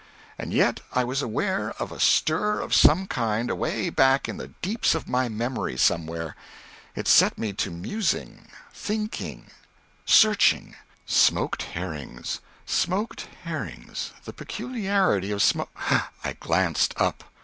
And yet I was aware of a stir of some kind away back in the deeps of my memory somewhere. It set me to musing thinking searching. Smoked herrings. Smoked herrings. The peculiarity of smo.... I glanced up.